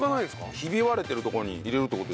ひび割れてるとこに入れるって事？